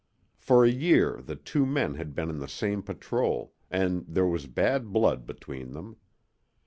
For a year the two men had been in the same patrol, and there was bad blood between them.